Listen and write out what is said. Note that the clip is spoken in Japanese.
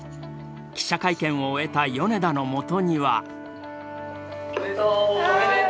記者会見を終えた米田のもとには。